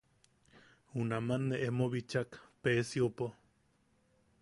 Junaman ne ino bichak Peesiopo.